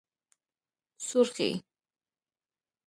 💄سورخي